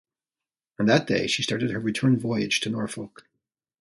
On that day, she started her return voyage to Norfolk.